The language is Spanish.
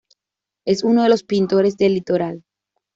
Es uno de los pintores del litoral